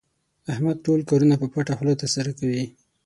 احمد ټول کارونه په پټه خوله ترسره کوي.